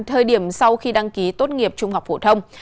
thời điểm sau khi đăng ký tốt nghiệp trung học phổ thông